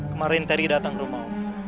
kemarin teri datang ke rumah